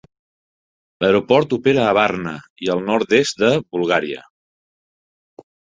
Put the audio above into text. L'aeroport opera a Varna i el nord-est de Bulgària.